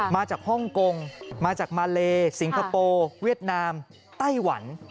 ฮ่องกงมาจากมาเลสิงคโปร์เวียดนามไต้หวัน